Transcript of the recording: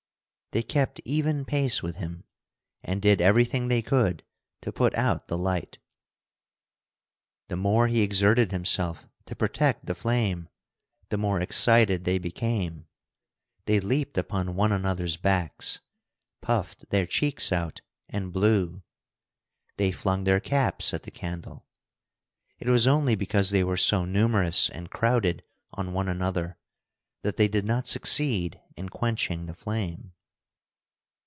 They kept even pace with him, and did everything they could to put out the light. The more he exerted himself to protect the flame the more excited they became. They leaped upon one another's backs, puffed their cheeks out, and blew. They flung their caps at the candle. It was only because they were so numerous and crowded on one another that they did not succeed in quenching the flame.